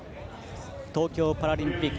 東京パラリンピック